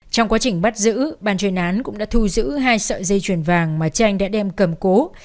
trong quá trình bắt giữ ban chuyên án cũng đã thu giữ hai sợi dây chuyền vàng mà tranh đã đem cầm cố